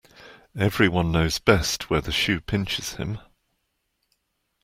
Every one knows best where the shoe pinches him.